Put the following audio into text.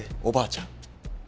おばあちゃん。